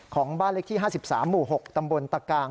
ของบ้านเล็กที่ห้าสิบสามหมู่หกตำบลตะกาง